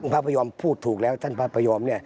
พระพยอมพูดถูกแล้วท่านพระพยอม